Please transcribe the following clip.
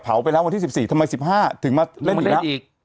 ไปแล้ววันที่๑๔ทำไม๑๕ถึงมาเล่นอีกแล้ว